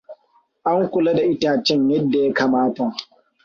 An kula da itacen yadda ya kamata.